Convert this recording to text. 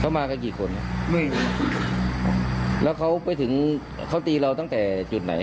เขามากันกี่คนไม่รู้แล้วเขาไปถึงเขาตีเราตั้งแต่จุดไหน